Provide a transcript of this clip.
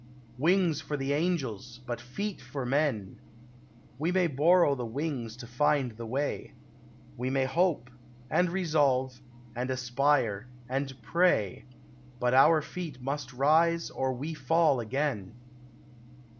Wings for the angels, but feet for men! We may borrow the wings to find the way We may hope, and resolve, and aspire, and pray; But our feet must rise, or we fall again.